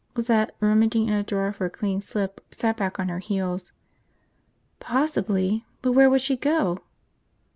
Lizette, rummaging in a drawer for a clean slip, sat back on her heels. "Possibly. But where would she go?"